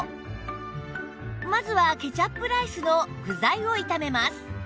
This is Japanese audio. まずはケチャップライスの具材を炒めます